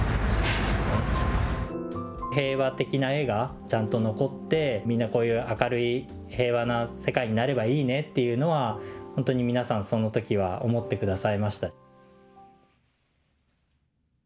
平和的な絵がちゃんと残って、みんなこういう明るい平和な世界になればいいねっていうのは、本当に皆さん、そのときは思ってくださいました。